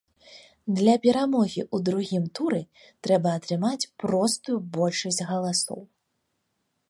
Для перамогі ў другім туры трэба атрымаць простую большасць галасоў.